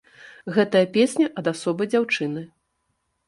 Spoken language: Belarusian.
Гэтая песня ад асобы дзяўчыны.